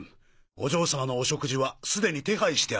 お嬢様のお食事はすでに手配してありますので。